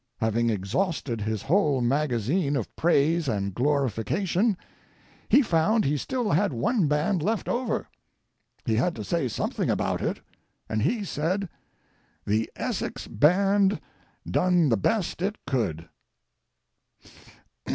Having exhausted his whole magazine of praise and glorification, he found he still had one band left over. He had to say something about it, and he said: "The Essex band done the best it could."